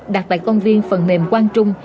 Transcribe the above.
đặt tại công viên phần mềm quang trung